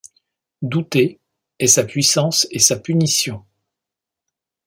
Douter est sa puissance et sa punition.